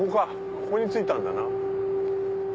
ここに着いたんだな。